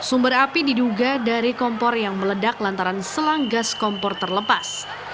sumber api diduga dari kompor yang meledak lantaran selang gas kompor terlepas